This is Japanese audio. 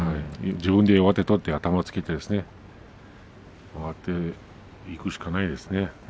自分で上手を取って頭をつけていくしかないですね。